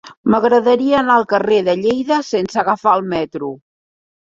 M'agradaria anar al carrer de Lleida sense agafar el metro.